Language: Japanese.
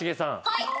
はい。